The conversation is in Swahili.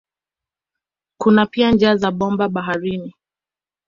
Kuna pia njia za bomba baharini.